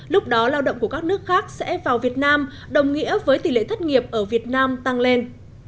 lúc đó lao động của các nước khác sẽ vào việt nam đồng nghĩa với tỷ lệ thất nghiệp ở việt nam tăng lên